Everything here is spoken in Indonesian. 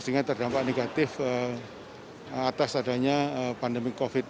sehingga terdampak negatif atas adanya pandemi covid sembilan